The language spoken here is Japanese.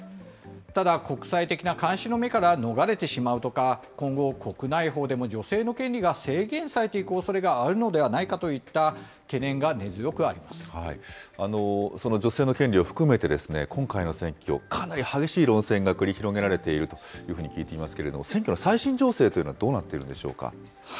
ただ、国際的な監視の目から逃れてしまうとか、今後、国内法でも女性の権利が制限されていくおそれがあるのではないか女性の権利を含めて、今回の選挙、かなり激しい論戦が繰り広げられているというふうに聞いていますけれども、選挙の最新情勢というのはどうなっているんでしょうか。